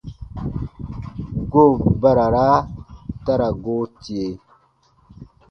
Goon barara ta ra goo tie.